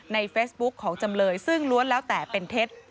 ในเฟซบุ๊คของจำเลยซึ่งล้วนแล้วแต่เป็นเท็จ